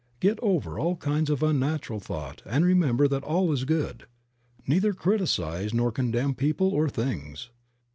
Get over all kinds of unnatural thought and remember that all is good. Neither criticize nor con demn people or things.